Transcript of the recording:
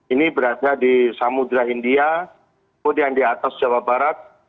ini berada di jawa barat